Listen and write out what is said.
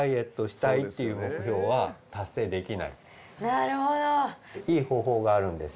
なるほど。